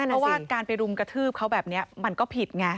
เพราะว่าการไปรุมกระทืบเขาแบบนี้มันก็ผิดไง